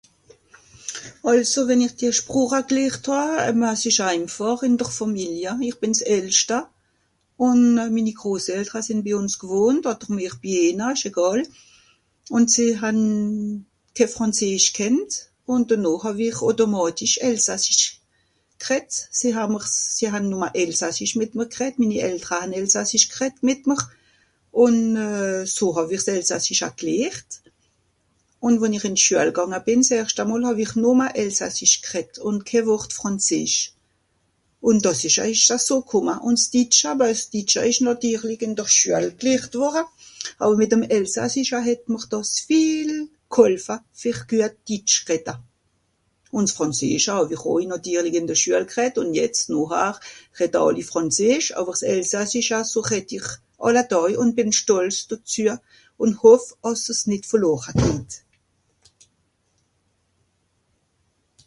Àlso wenn ich dia Sprocha glehrt hàà, et bah s'ìsch einfàch in dr Fàmilia, ich bìn s'Eltschta ùn minni Eltra sìnn bi ùns gwohnt odder mìr bi ìhna, ìsch egàl. Ùn sìe han ké frànzeesch kennt. ùn dennoh hàw-ich automàtisch Elsassisch greddt, sìe ha'mr's.... sìe han nùmma elsassisch mìt mr greddt, minna Eltra han elsassisch greddt mìt mr ùn so hàw-ich s'Elsassicha glehrt ùn wo-n-ìch ìn Schüel gànga bìn s'erschta mol hàw-ich nùmma Elsassisch greddt ùn ké Wort Frànzeesch. Ùn dàs ìsch àui aso kùmma, ùn s'Ditscha, bah s'Ditscha ìsch nàtirlig ìn dr Schüal glehrt worra, àwer mìt'm Elsassischa het mr dàs viel gholfa fer güet Ditsch redda. Ùn s'Frànzeescha hàw-ich àui nàtirlig ìn dr Schüel glehrt ùn jetz nochhar redda àlli frànzeesch, àwer s'Elsassischa so redd ich àlla Dàj ùn bìn stolz dezü ùn hoff, àss's nìt verlora geht.